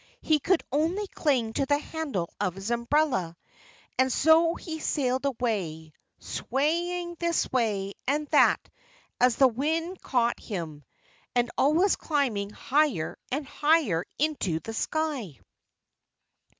He could only cling to the handle of his umbrella. And so he sailed away, swaying this way and that as the wind caught him, and always climbing higher and higher into the sky.